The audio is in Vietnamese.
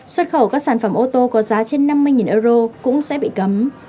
xuất khẩu các sản phẩm ô tô có giá trên năm mươi euro cũng sẽ bị cấm